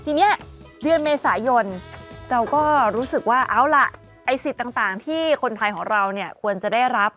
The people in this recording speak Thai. ทีนี้เดือนเมษายนเราก็รู้สึกว่าเอาล่ะไอ้สิทธิ์ต่างที่คนไทยของเราเนี่ยควรจะได้รับ